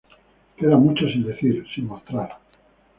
Queda mucho sin decir, sin mostrar.